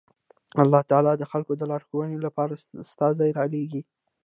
الله تعالی د خلکو د لارښوونې لپاره استازي رالېږل